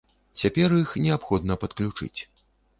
Цяпер іх неабходна падключыць.